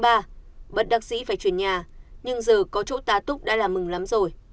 bất đắc sĩ phải chuyển nhà nhưng giờ có chỗ tá túc đã là mừng lắm rồi